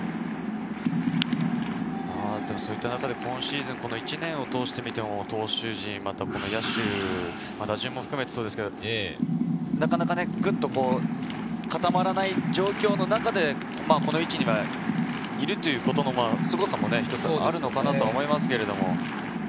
そういった中で今シーズン１年を通して見ても投手陣、野手、なかなかグッと固まらない状況の中で、この位置にいるということのすごさもあるのかなと思います。